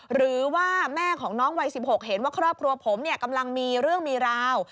หรือว่าแม่ของน้องวัย๑๖เห็นว่าครอบครัวผมกำลังมีเรื่องมีราว